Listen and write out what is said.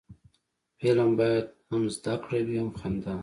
فلم باید هم زده کړه وي، هم خندا